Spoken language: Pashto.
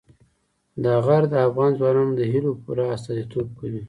دا غر د افغان ځوانانو د هیلو پوره استازیتوب کوي.